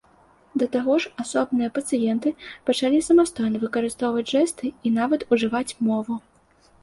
Да таго ж асобныя пацыенты пачалі самастойна выкарыстоўваць жэсты і нават ужываць мову.